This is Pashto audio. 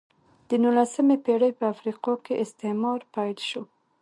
د نولسمې پېړۍ په افریقا کې استعمار پیل شو.